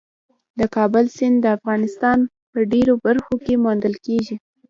د کابل سیند د افغانستان په ډېرو برخو کې موندل کېږي.